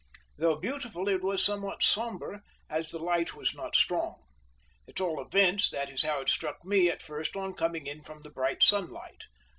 Though beautiful, it was somewhat somber, as the light was not strong. At all events, that is how it struck me at first on coming in from the bright sunlight.